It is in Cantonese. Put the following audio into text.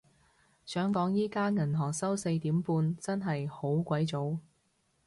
想講而家銀行收四點半，真係好鬼早